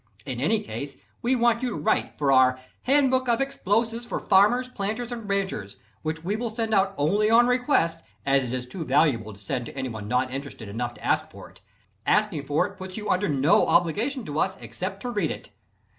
In any case we want you to write for our "Handbook of Explosives for Farmers, Planters and Ranchers," which we send out only on request, as it is too valuable to send to anyone not interested enough to ask for it. Asking for it puts you under no obligation to us except to read it.